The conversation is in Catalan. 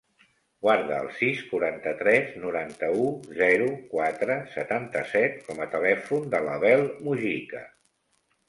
Guarda el sis, quaranta-tres, noranta-u, zero, quatre, setanta-set com a telèfon de l'Abel Mugica.